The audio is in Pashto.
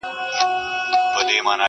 • اوس په خوب کي هره شپه زه خوبان وینم,